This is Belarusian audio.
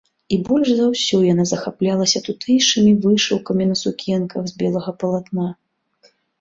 І больш за ўсё яна захаплялася тутэйшымі вышыўкамі на сукенках з белага палатна.